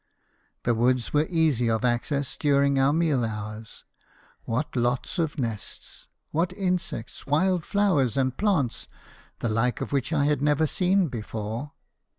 The woods were easy of access during our meal hours. What lots of nests ! What insects, wild flowers, and plants, the like of which I had never seen before."